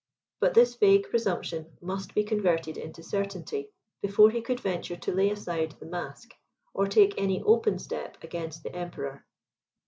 But this vague presumption must be converted into certainty, before he could venture to lay aside the mask, or take any open step against the Emperor.